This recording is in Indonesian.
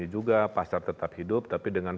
juga pasar tetap hidup tapi dengan